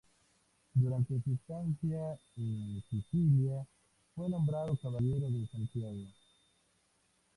Durante su estancia en Sicilia fue nombrado Caballero de Santiago.